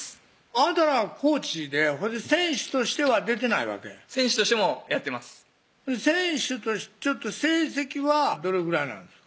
あなたがコーチで選手としては出てないわけ選手としてもやってます選手として成績はどれぐらいなんですか？